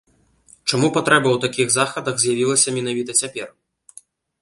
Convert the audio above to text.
Чаму патрэба ў такіх захадах з'явілася менавіта цяпер?